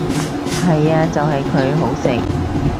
係呀就係佢，好食！